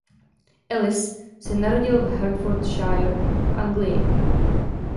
Ellis se narodil v Hertfordshire v Anglii.